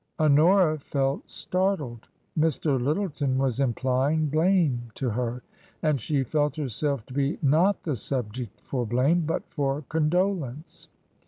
Honora felt startled. Mr. Lyttleton was implying blame to her. And she felt herself to be not the subject for blame, but for condolence.